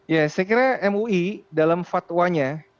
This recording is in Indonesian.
ya saya kira mui dalam fatwanya